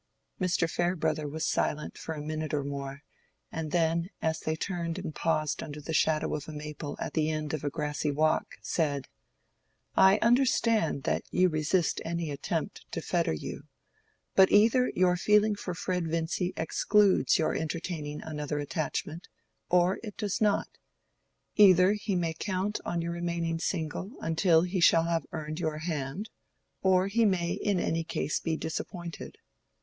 Mr. Farebrother was silent for a minute or more, and then, as they turned and paused under the shadow of a maple at the end of a grassy walk, said, "I understand that you resist any attempt to fetter you, but either your feeling for Fred Vincy excludes your entertaining another attachment, or it does not: either he may count on your remaining single until he shall have earned your hand, or he may in any case be disappointed.